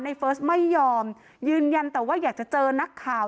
เฟิร์สไม่ยอมยืนยันแต่ว่าอยากจะเจอนักข่าว